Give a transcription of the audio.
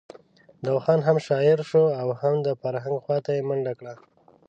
دوا خان هم شاعر شو او د فرهنګ خواته یې منډه کړه.